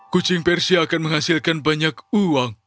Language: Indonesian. kucing persia akan menghasilkan banyak uang